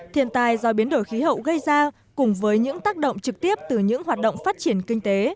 thiên tai do biến đổi khí hậu gây ra cùng với những tác động trực tiếp từ những hoạt động phát triển kinh tế